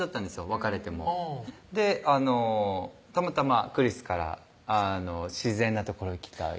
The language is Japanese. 別れてもでたまたまクリスから「自然な所行きたい」